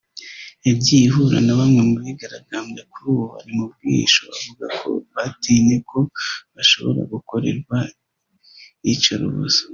yagiye ihura na bamwe mu bigaragambyaga kuri ubu bari mu bwihisho bavuga ko batinye ko bashobora gukorerwa iyicarubozo